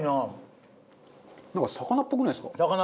なんか魚っぽくないですか？